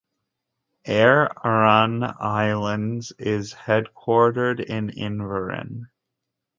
Aer Arann Islands is headquartered in Inverin.